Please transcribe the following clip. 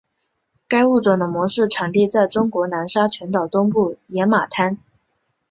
该物种的模式产地在中国南沙群岛东部野马滩。